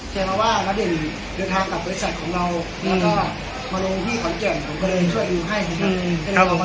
แกบอกว่ามันเดินเดินทางกับบริษัทของเราแล้วก็มาลงพี่ของแจ่งผมก็เลยช่วยดูให้คุณครับ